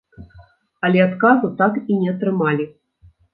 Але адказу так і не атрымалі.